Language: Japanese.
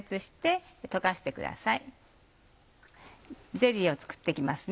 ゼリーを作って行きます。